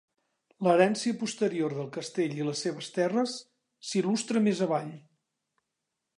L"herència posterior del castell i les seves terres s"il·lustra més avall.